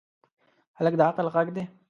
هلک د عقل غږ دی.